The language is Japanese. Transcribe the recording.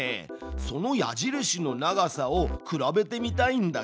その矢印の長さを比べてみたいんだけど。